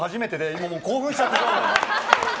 今もう興奮しちゃって。